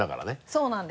そうなんです。